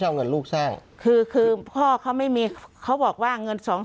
ใช่เอาเงินลูกสร้างคือคือพ่อเขาไม่มีเขาบอกว่าเงิน๒๐๐๐๐๐